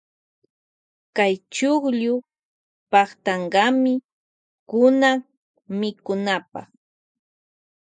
Kay chukllu paktankami kunan mikunapa.